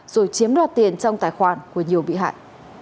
rồi chiếm đoạt tiền trong tài khoản của nhiều bị hại